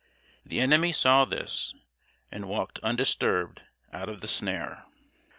The enemy saw this, and walked undisturbed out of the snare.